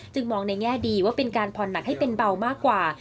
มองในแง่ดีว่าเป็นการผ่อนหนักให้เป็นเบามากกว่า